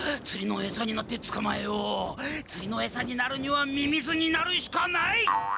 つりのえさになるにはミミズになるしかない！